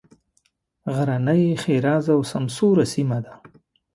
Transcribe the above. غرنۍ ښېرازه او سمسوره سیمه ده.